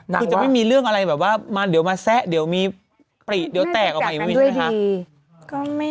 คือจะไม่มีเรื่องอะไรแบบว่าเดี๋ยวมาแซะเดี๋ยวมีปริเดี๋ยวแตกออกมาอย่างนี้ใช่ไหมคะ